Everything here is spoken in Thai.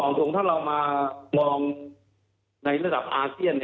บอกถูกถ้าเรามามองในระดับอาเชียน